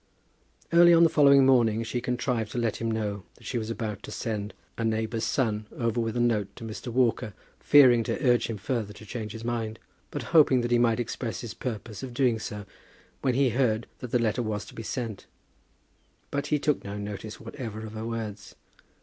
Early on the following morning she contrived to let him know that she was about to send a neighbour's son over with a note to Mr. Walker, fearing to urge him further to change his mind; but hoping that he might express his purpose of doing so when he heard that the letter was to be sent; but he took no notice whatever of her words.